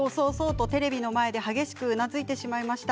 とテレビの前で激しくうなずいてしまいました。